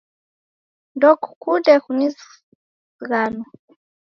Ndokukunde kuzighanwa